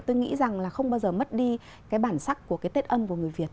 tôi nghĩ rằng là không bao giờ mất đi cái bản sắc của cái tết âm của người việt